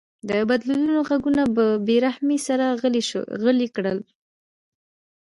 د بدلونونو غږونه په بې رحمۍ سره غلي کړل.